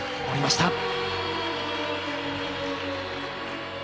降りました。